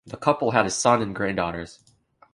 The couple had a son and granddaughters.